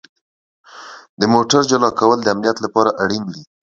د موټر جلا کول د امنیت لپاره اړین دي.